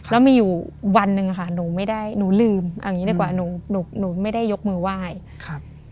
แล้วมีอยู่วันหนึ่งค่ะหนูไม่ได้หนูลืมเอางี้ดีกว่าหนูหนูไม่ได้ยกมือไหว้ครับ